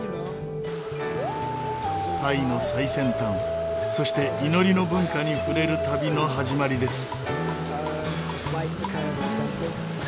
タイの最先端そして祈りの文化に触れる旅の始まりです。